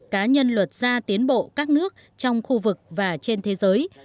cá nhân luật gia tiến bộ các nước trong khu vực và trên thế giới